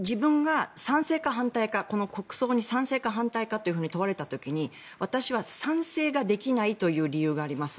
自分がこの国葬に賛成か反対かと問われた時に私は賛成ができないという理由があります。